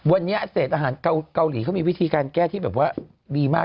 วันนี้เศรษฐ์อาหารเกาหลีเขามีวิธีที่ได้แก้ดที่ดีมาก